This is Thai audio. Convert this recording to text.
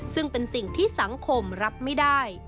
ซึ่งเป็นสิ่งที่สังคมรับไม่ได้